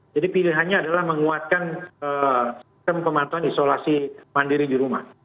jadi pilihannya adalah menguatkan sistem pemantauan isolasi mandiri di rumah